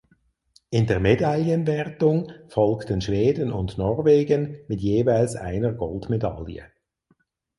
In der Medaillenwertung folgten Schweden und Norwegen mit jeweils einer Goldmedaille.